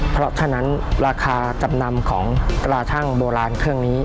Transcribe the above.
เพราะฉะนั้นราคาจำนำของกระทั่งโบราณเครื่องนี้